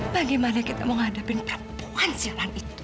bagaimana kita menghadapi perempuan siaran itu